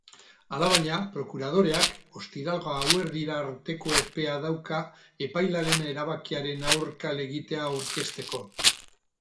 Alabaina, prokuradoreak ostiral gauerdira arteko epea dauka epailearen erabakiaren aurka helegitea aurkezteko.